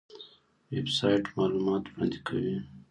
ویب سایټ معلومات وړاندې کوي